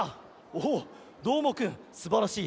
おどーもくんすばらしい。